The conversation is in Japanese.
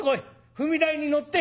踏み台に乗って。